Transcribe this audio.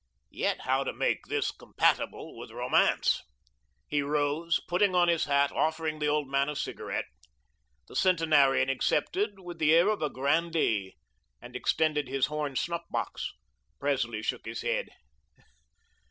Yet how to make this compatible with romance. He rose, putting on his hat, offering the old man a cigarette. The centenarian accepted with the air of a grandee, and extended his horn snuff box. Presley shook his head.